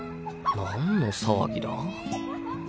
何の騒ぎだ？